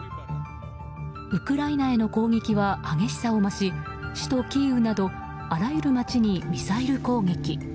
ウクライナへの攻撃は激しさを増し首都キーウなどあらゆる街にミサイル攻撃。